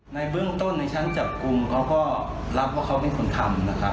ในเบื้องต้นในชั้นจับกุมเขาก็รับว่าเขาไม่คุณทำนะคะ